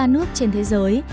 hai mươi ba nước trên thế giới